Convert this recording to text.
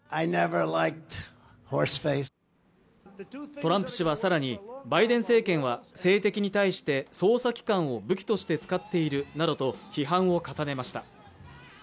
トランプ氏は更に、バイデン政権は政敵に対して捜査機関を武器として使っているなどと批判を重ねました。